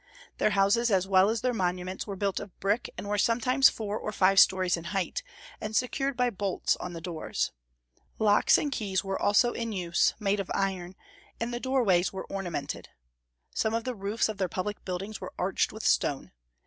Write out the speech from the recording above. Their houses as well as their monuments were built of brick, and were sometimes four or five stories in height, and secured by bolts on the doors. Locks and keys were also in use, made of iron; and the doorways were ornamented. Some of the roofs of their public buildings were arched with stone.